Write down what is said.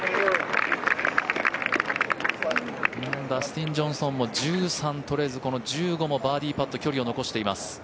ダスティン・ジョンソンも１３取れずこの１５もバーディーパット距離を残しています。